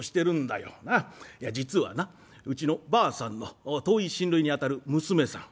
いや実はなうちのばあさんの遠い親類にあたる娘さん。